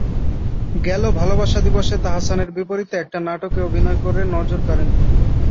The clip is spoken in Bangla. গেল ভালোবাসা দিবসে তাহসানের বিপরীতে একটি নাটকে অভিনয় করে নজর কাড়েন তিনি।